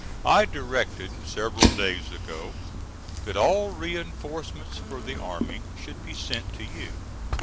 I directed several days ago that all reinforcements for the army should be sent to you.